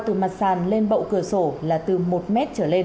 từ mặt sàn lên bầu cửa sổ là từ một m trở lên